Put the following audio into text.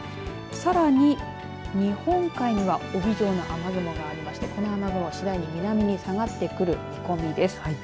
さらに日本海には帯状の雨雲がありましてこの雨雲、次第に南に下がってくる見込みです。